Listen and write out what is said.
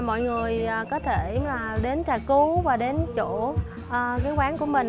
mọi người có thể đến trà cú và đến chỗ quán của mình